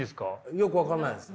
よく分かんないですね。